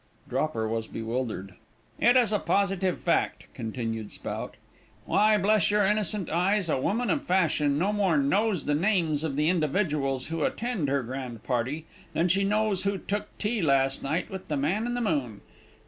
Dropper was bewildered. "It is a positive fact," continued Spout. "Why, bless your innocent eyes, a woman of fashion no more knows the names of the individuals who attend her grand party, than she knows who took tea last night with the man in the moon.